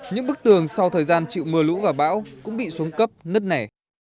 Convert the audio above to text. những bức tường sau thời gian chịu mưa lũ và bão cũng bị xuống cấp nứt nẻ